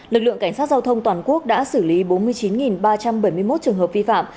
lực lượng cảnh sát giao thông toàn quốc đã xử lý bốn mươi chín ba trăm bảy mươi một trường hợp vi phạm